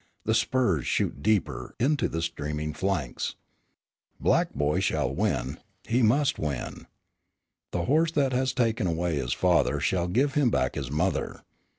The spurs shoot deeper into the steaming flanks. Black Boy shall win; he must win. The horse that has taken away his father shall give him back his mother.